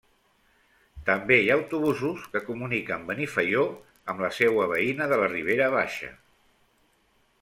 També hi ha autobusos que comuniquen Benifaió amb la seua veïna de la Ribera Baixa.